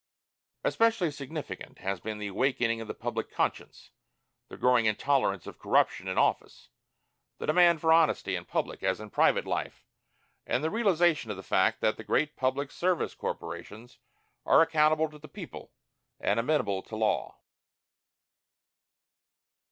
Especially significant has been the awakening of the public conscience, the growing intolerance of corruption in office, the demand for honesty in public as in private life, and the realization of the fact that the great public service corporations are accountable to the people and amenable to law.